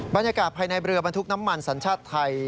บรรยากาศภายในเรือบรรทุกน้ำมันสัญชาติไทย